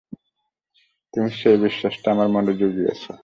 তুমি সেই বিশ্বাসটা আমার মনে জুগিয়েছ।